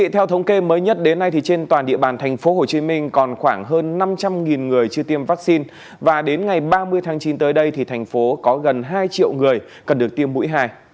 theo thống kê mới nhất đến nay thì trên toàn địa bàn thành phố hồ chí minh còn khoảng hơn năm trăm linh người chưa tiêm vaccine và đến ngày ba mươi tháng chín tới đây thì thành phố có gần hai triệu người cần được tiêm mũi hai